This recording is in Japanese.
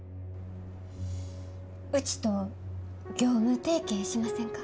うちと業務提携しませんか？